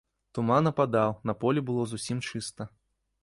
Туман ападаў, на полі было зусім чыста.